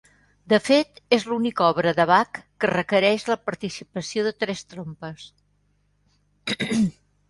De fet és l'única obra de Bach que requereix la participació de tres trompes.